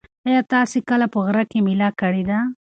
ایا تاسي کله په غره کې مېله کړې ده؟